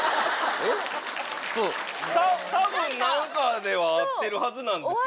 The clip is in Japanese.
たたぶん何かでは会ってるはずなんですよ。